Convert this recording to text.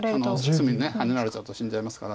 隅ハネられちゃうと死んじゃいますから。